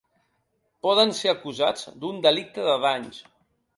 Poden ser acusats d’un delicte danys.